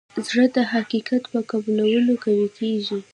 زړه د حقیقت په قبلولو قوي کېږي.